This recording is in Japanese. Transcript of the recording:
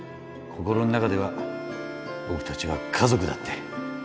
心の中では僕達は家族だって